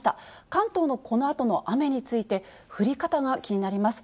関東のこのあとの雨について、降り方が気になります。